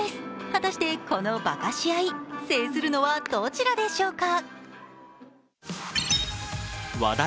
果たしてこの化かし合い、制するのはどちらでしょうか。